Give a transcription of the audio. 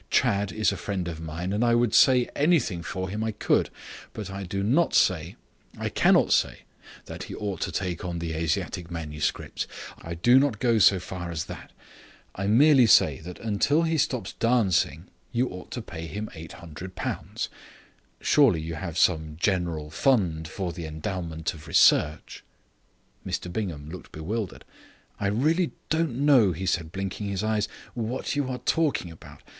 Chadd is a friend of mine, and I would say anything for him I could. But I do not say, I cannot say, that he ought to take on the Asiatic manuscripts. I do not go so far as that. I merely say that until he stops dancing you ought to pay him £800 Surely you have some general fund for the endowment of research." Mr Bingham looked bewildered. "I really don't know," he said, blinking his eyes, "what you are talking about.